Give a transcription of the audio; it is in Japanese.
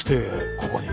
ここに。